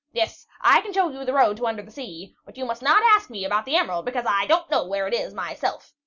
Yes, I can show you the road to under the sea; but you must not ask me about the emerald, because I don't know where it is myself.